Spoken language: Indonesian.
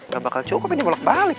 gak bakal cukup ini bolak balik ya nih